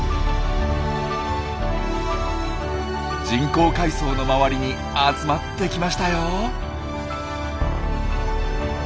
人工海藻の周りに集まってきましたよ。